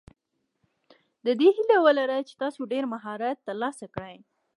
د دې هیله ولره چې تاسو ډېر مهارت ترلاسه کړئ.